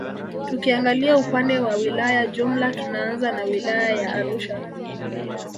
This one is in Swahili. Tukiangalia upande wa wilaya jumla tunaanza na wilaya ya Arusha